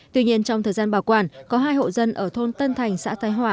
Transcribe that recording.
tuy nhiên trong thời gian bảo quản có hai hộ dân ở thôn tân thành xã thái hòa